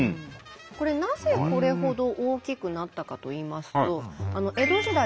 これなぜこれほど大きくなったかといいますと江戸時代